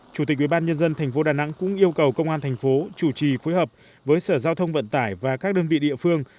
chủ tịch ubnd tp đà nẵng cũng yêu cầu công an thành phố chủ trì phối hợp với sở giao thông vận tải và các đơn vị địa phương